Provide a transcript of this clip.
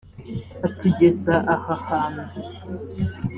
atugeza aha hantu,